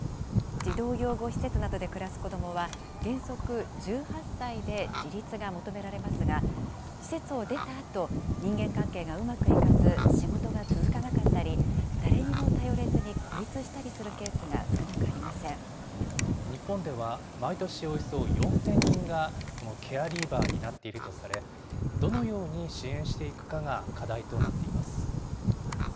児童養護施設などで暮らす子どもは、原則１８歳で自立が求められますが、施設を出たあと、人間関係がうまくいかず、仕事が続かなかったり、誰にも頼れずに孤立したり日本では、毎年およそ４０００人が、このケアリーバーになっているとされ、どのように支援していくかが課題となっています。